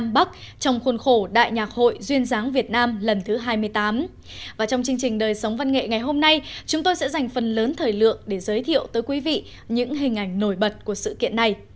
trong chương trình đời sống văn nghệ ngày hôm nay chúng tôi sẽ dành phần lớn thời lượng để giới thiệu tới quý vị những hình ảnh nổi bật của sự kiện này